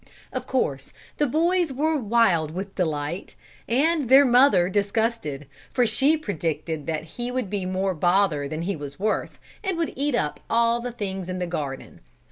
Of course, the boys were wild with delight, and their mother disgusted, for she predicted that he would be more bother than he was worth, and would eat up all the things in the garden.